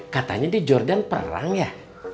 katanya di jordan perang ya